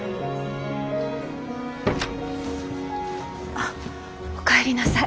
あっおかえりなさい。